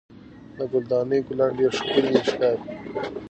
د ګل دانۍ ګلان ډېر ښکلي ښکاري.